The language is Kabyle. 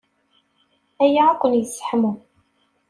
Aya ad ken-yesseḥmu.